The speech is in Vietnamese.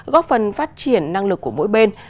góp phần phát triển năng lực của mỗi bên